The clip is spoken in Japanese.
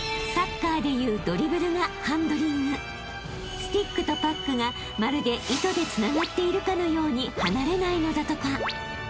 ［スティックとパックがまるで糸でつながっているかのように離れないのだとか］